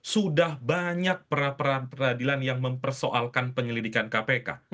sudah banyak peradilan yang mempersoalkan penyelidikan kpk